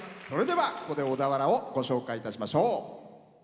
それでは、ここで小田原をご紹介いたしましょう。